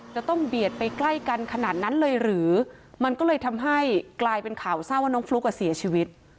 จะต้องเบียดไปใกล้กันขนาดนั้นเลยหรือมันก็เลยทำให้กลายเป็นข่าวเศร้าว่าน้องฟลุ๊กเสียชีวิต